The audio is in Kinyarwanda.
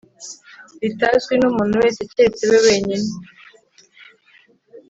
ritazwi n umuntu wese keretse we wenyine